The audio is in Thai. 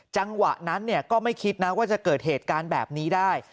จังหวะนั้นก็ไม่คิดนะว่าจะเกิดเหตุการณ์แบบนี้ได้